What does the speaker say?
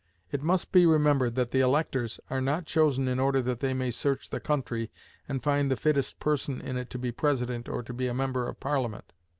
It must be remembered that the electors are not chosen in order that they may search the country and find the fittest person in it to be President or to be a member of Parliament.